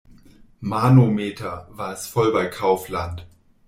Manometer, war es voll bei Kaufland!